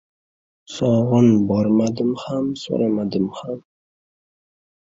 «So‘g‘in — bormadim ham, so‘ramadim ham».